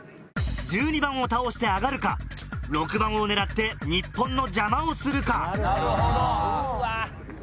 １２番を倒して上がるか６番を狙って日本の邪魔をするか。